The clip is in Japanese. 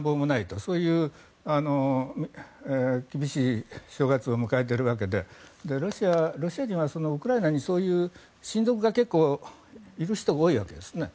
そういう厳しい正月を迎えているわけでロシア人はウクライナにそういう親族がいる人が結構多いわけですね。